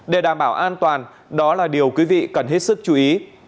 để đảm bảo an toàn đó là điều quý vị cần hết sức chú ý